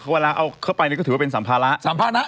เวลาเอาเข้าไปก็ถือว่าเป็นสัมภาระ